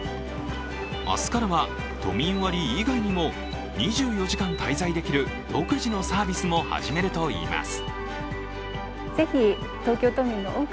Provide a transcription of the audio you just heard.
明日からは都民割以外にも２４時間滞在できる独自のサービスも始めるといいます。